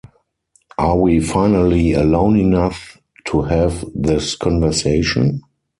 Are we finally alone enough to have this conversation?